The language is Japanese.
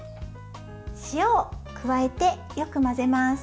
塩を加えて、よく混ぜます。